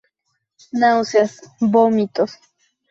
Náuseas, vómitos.